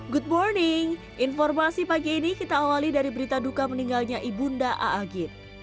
good morning informasi pagi ini kita awali dari berita duka meninggalnya ibunda aagim